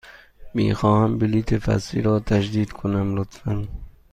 می خواهم بلیط فصلی را تجدید کنم، لطفاً.